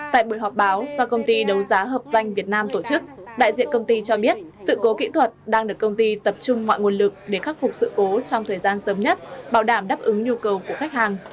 tại buổi họp báo do công ty đấu giá hợp danh việt nam tổ chức đại diện công ty cho biết sự cố kỹ thuật đang được công ty tập trung mọi nguồn lực để khắc phục sự cố trong thời gian sớm nhất bảo đảm đáp ứng nhu cầu của khách hàng